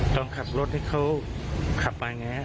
ต้องขับรถให้เขาขับมาอย่างไร